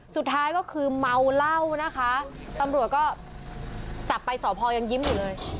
สุดท้ายก็คือเมาเหล้านะคะตำรวจก็จับไปสอบพอยังยิ้มอยู่เลย